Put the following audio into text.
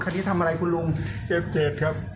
คันนี้ทำอะไรคุณลุงเก็บเศษครับ